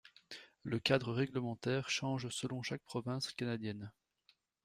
Le cadre réglementaire change selon chaque province canadienne.